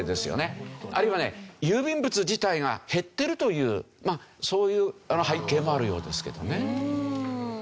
あるいはね郵便物自体が減ってるというそういう背景もあるようですけどね。